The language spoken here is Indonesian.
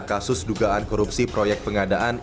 kasus dugaan korupsi proyek pengadaan